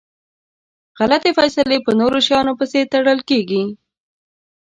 غلطي فیصلی په نورو شیانو پسي تړل کیږي.